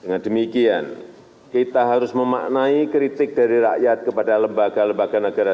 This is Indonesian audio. dengan demikian kita harus memaknai kritik dari rakyat kepada lembaga lembaga negara